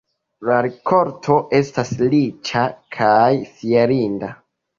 La rikolto estas riĉa kaj fierinda.